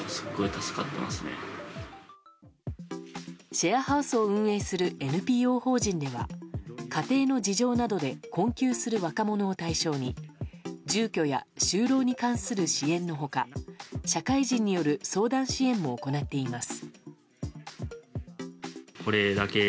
シェアハウスを運営するＮＰＯ法人では家庭の事情などで困窮する若者を対象に住居や就労に関する支援の他社会人による相談支援も行っています。